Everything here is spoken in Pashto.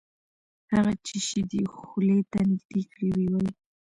هغه چې شیدې خولې ته نږدې کړې ویې ویل: